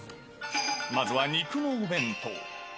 まずは肉のお弁当。